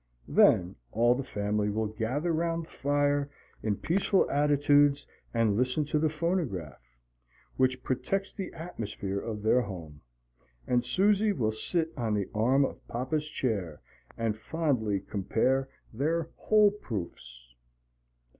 Then all the family will gather 'round the fire in peaceful attitudes and listen to the phonograph, which protects the atmosphere of their home; and Susie will sit on the arm of Papa's chair and fondly compare their Holeproofs.